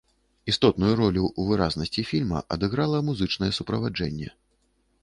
Істотную ролю ў выразнасці фільма адыграла музычнае суправаджэнне.